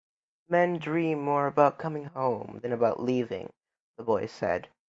"Men dream more about coming home than about leaving," the boy said.